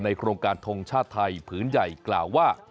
โครงการทงชาติไทยผืนใหญ่กล่าวว่า